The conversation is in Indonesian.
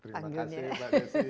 terima kasih pak desi